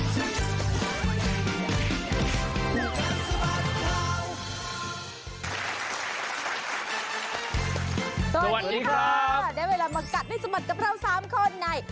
สวัสดีครับสวัสดีครับได้เวลามากัดด้วยสมัตย์กับเราสามคนใน